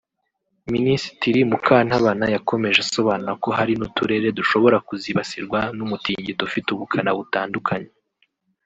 Mininisitiri Mukantabana yakomeje asobanura ko hari n’uturere dushobora kuzibasirwa n’umutungito ufite ubukana butandukanye